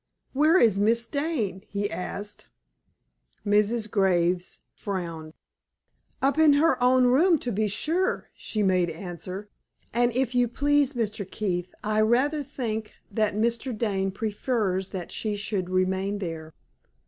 "Where is Miss Dane?" he asked. Mrs. Graves frowned. "Up in her own room, to be sure!" she made answer; "and if you please, Mr. Keith, I rather think that Mr. Dane prefers that she should remain there."